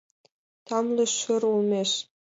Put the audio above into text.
тамле шӧр олмеш